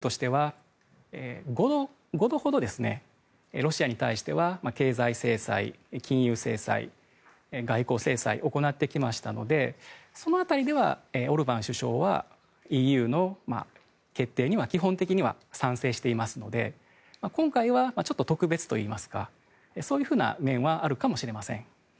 ただ、これまでＥＵとしては５度ほどロシアに対しては経済制裁禁輸制裁、外交制裁を行ってきましたのでその辺りではオルバン首相はＥＵの決定には基本的には賛成していますので今回はちょっと特別といいますかそういう面はあるかもしれません。